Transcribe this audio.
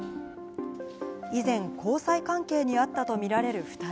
以前、交際関係にあったとみられる２人。